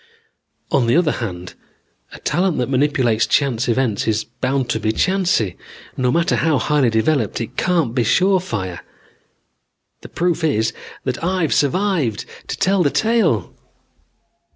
"On the other hand, a talent that manipulates chance events is bound to be chancy. No matter how highly developed it can't be surefire. The proof is that I've survived to tell the tale."